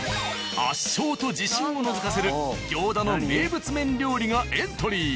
圧勝と自信をのぞかせる行田の名物麺料理がエントリー。